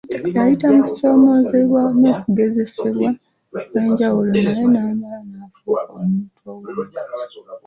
Yayita mu kusoomoozebwa n'okugezesebwa okw'enjawulo naye n'amala n'afuuka omuntu ow'omugaso.